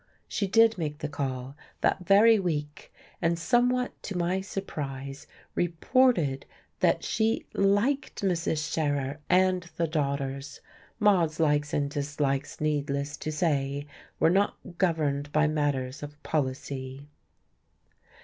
She did make the call, that very week, and somewhat to my surprise reported that she liked Mrs. Scherer and the daughters: Maude's likes and dislikes, needless to say, were not governed by matters of policy.